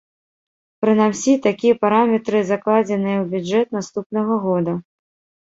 Прынамсі, такія параметры закладзеныя ў бюджэт наступнага года.